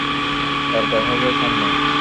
দরকার হবে সামনে!